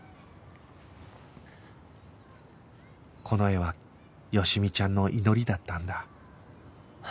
この絵は好美ちゃんの祈りだったんだ